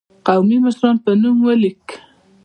قومي مشرانو په نوم ولیک.